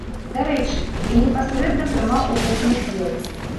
Дарэчы, я непасрэдна прымаў у гэтым удзел.